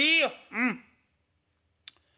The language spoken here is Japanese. うん」。